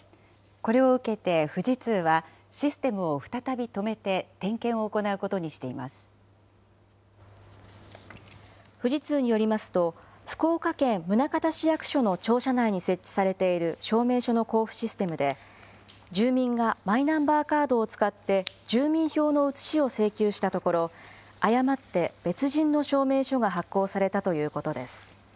これを受けて、富士通はシステムを再び止めて、点検を行うこ富士通によりますと、福岡県宗像市役所の庁舎内に設置されている証明書の交付システムで、住民がマイナンバーカードを使って住民票の写しを請求したところ、誤って別人の証明書が発行されたということです。